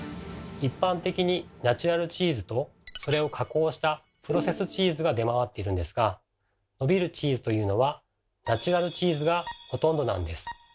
一般的に「ナチュラルチーズ」とそれを加工した「プロセスチーズ」が出回っているんですが伸びるチーズというのはナチュラルチーズがほとんどなんです。